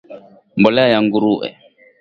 mbolea ya nguruwe